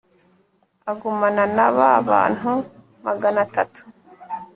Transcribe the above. agumana na ba bantu magana atatu